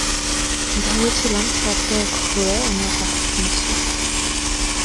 ভেবেছিলাম, স্বপ্নের ঘোরে উনার কথা শুনছি!